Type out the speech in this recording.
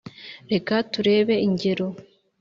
Reka turebe ingero